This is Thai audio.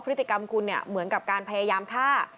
พฤติกรรมคุณเนี่ยเหมือนกับการพยายามฆ่า